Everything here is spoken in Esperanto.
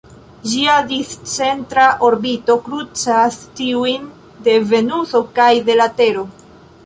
Ĝia discentra orbito krucas tiujn de Venuso kaj de la Tero.